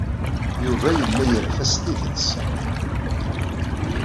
Yuba yella yerfa s tidet.